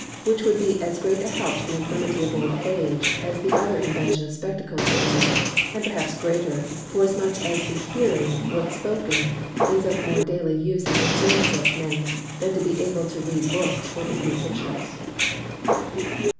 Which would be as great a help to the infirmity of Old Age, as the other invention of Spectacles is, and perhaps greater; forasmuch as the Hearing what's spoken is of more daily use and concern to such Men, then to be able to read Books or to view Pictures.